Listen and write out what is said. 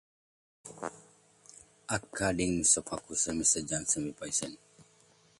The following is based on Thiele's book "The Mysterious Numbers of the Hebrew Kings".